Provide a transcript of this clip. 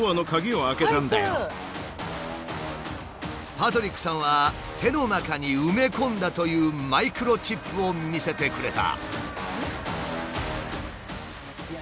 パトリックさんは手の中に埋め込んだというマイクロチップを見せてくれた。